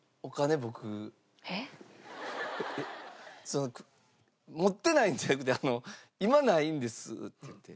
「その持ってないんじゃなくて今ないんです」って言って。